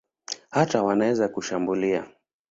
Hata wanaweza kushambulia.